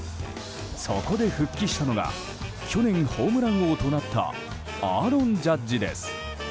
そこで復帰したのが去年、ホームラン王となったアーロン・ジャッジです。